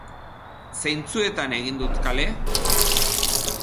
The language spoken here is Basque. Zeintzuetan egin dute kale?